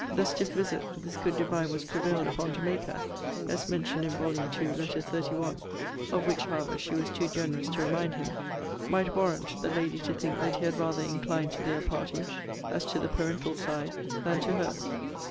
* The stiff visit this good divine was prevailed upon to make her, as mentioned in Vol. II. Letter XXXI. (of which, however, she was too generous to remind him) might warrant the lady to think that he had rather inclined to their party, as to the parental side, than to her's.